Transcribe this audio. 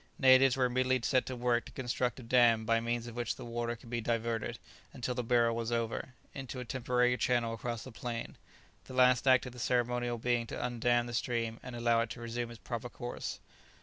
Natives were immediately set to work to construct a dam by means of which the water should be diverted, until the burial was over, into a temporary channel across the plain; the last act in the ceremonial being to undam the stream and allow it to resume its proper course.